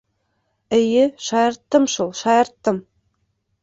Эйе, шаярттым шул, шаярттым!